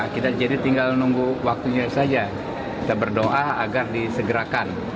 kita jadi tinggal nunggu waktunya saja kita berdoa agar disegerakan